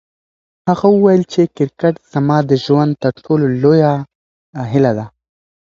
هغه وویل چې کرکټ زما د ژوند تر ټولو لویه هیله ده.